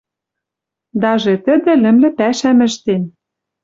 Даже тӹдӹ лӹмлӹ пӓшӓм ӹштен: